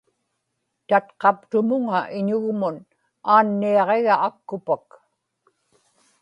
tatqaptumuŋa iñugmun aanniaġiga akkupak